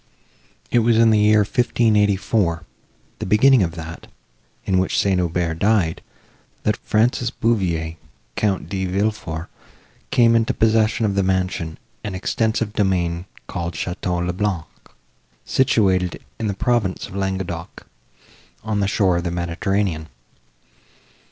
It was in the year 1584, the beginning of that, in which St. Aubert died, that Francis Beauveau, Count De Villefort, came into possession of the mansion and extensive domain called Château le Blanc, situated in the province of Languedoc, on the shore of the Mediterranean.